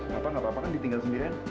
apa nggak apa apa kan ditinggal sendirian